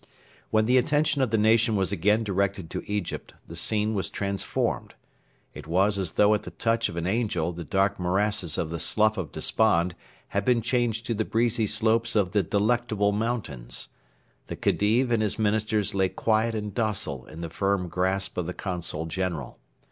When the attention of the nation was again directed to Egypt the scene was transformed. It was as though at the touch of an angel the dark morasses of the Slough of Despond had been changed to the breezy slopes of the Delectable Mountains. The Khedive and his Ministers lay quiet and docile in the firm grasp of the Consul General.